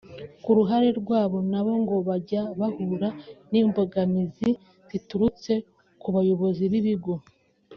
ku ruhande rwabo na bo ngo bajya bahura n’imbogamizi ziturutse ku bayobozi b’ibigo